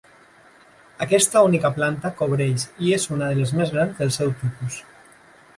Aquesta única planta cobreix i és una de les més grans del seu tipus.